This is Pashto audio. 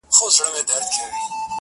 چي ورته سر ټيټ كړمه ، وژاړمه.